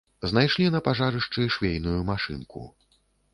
Знайшлі на пажарышчы швейную машынку.